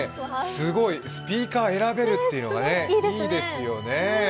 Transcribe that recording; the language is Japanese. すごい、スピーカー選べるっていうのがいいですよね。